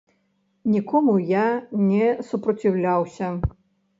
Нікому я не супраціўляўся.